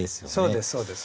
そうですそうです。